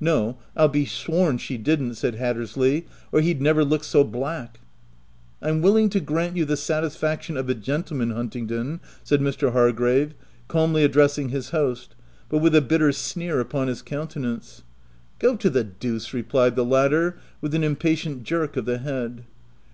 "No, Pll be sworn she didn't," said Hat tersley, H or he'd never look so black." u Pra willing to grant you the satisfaction of a gentleman, Huntingdon," said Mr. Hargrave, calmly addressing his host, but with a bitter sneer upon his countenance. OF WILDFELL HALL. 51 " Go to the deuce !" replied the latter, with an impatient jerk of the head.